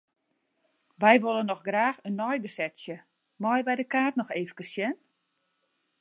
Wy wolle noch graach in neigesetsje, meie wy de kaart noch efkes sjen?